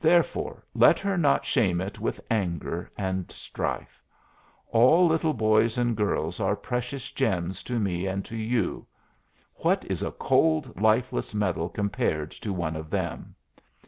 Therefore let her not shame it with anger and strife. All little boys and girls are precious gems to me and to you. What is a cold, lifeless medal compared to one of them?